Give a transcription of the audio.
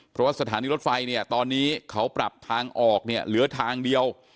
เพราะว่าสถานีรถไฟเนี่ยตอนนี้เขาปรับทางออกเนี่ยเหลือทางเดียว